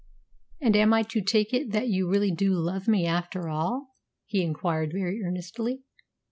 "And am I to take it that you really do love me, after all?" he inquired very earnestly.